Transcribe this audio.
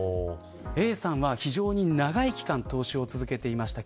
Ａさんは非常に長い期間投資を続けました。